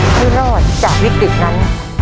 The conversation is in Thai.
ให้รอดจากวิกฤตนั้น